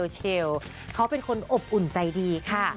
เชลเขาเป็นคนอบอุ่นใจดีค่ะ